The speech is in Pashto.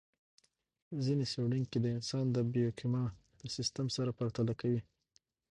ځينې څېړونکي د انسان بیوکیمیا له سیستم سره پرتله کوي.